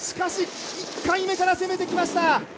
しかし１回目から攻めてきました。